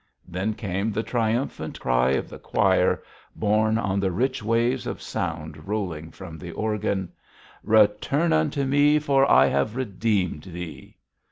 Then came the triumphant cry of the choir, borne on the rich waves of sound rolling from the organ, 'Return unto me, for I have redeemed thee.'